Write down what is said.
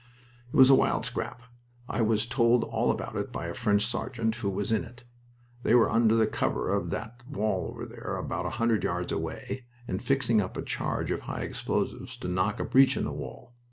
"It was a wild scrap. I was told all about it by a French sergeant who was in it. They were under the cover of that wall over there, about a hundred yards away, and fixing up a charge of high explosives to knock a breach in the wall.